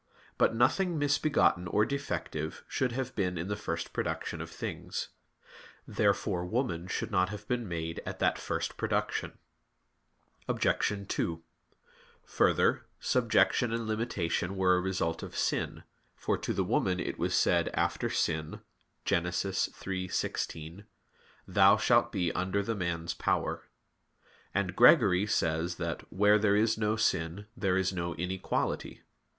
But nothing misbegotten or defective should have been in the first production of things. Therefore woman should not have been made at that first production. Obj. 2: Further, subjection and limitation were a result of sin, for to the woman was it said after sin (Gen. 3:16): "Thou shalt be under the man's power"; and Gregory says that, "Where there is no sin, there is no inequality."